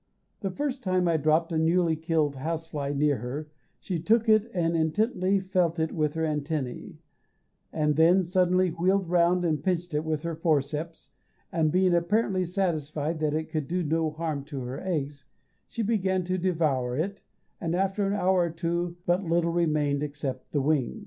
The first time I dropped a newly killed house fly near her she looked at it intently, felt it with her antennæ, and then suddenly wheeled round and pinched it with her forceps, and being apparently satisfied that it could do no harm to her eggs, she began to devour it, and after an hour or two but little remained except the wings.